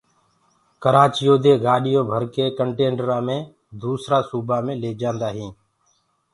ڪرآچيو دي گآڏيونٚ ڀرڪي ڪنٽينرآ مي دوسرآ سوبآ مي ليجآنٚدآ هينٚ